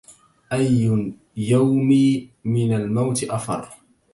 أي يومي من الموت أفر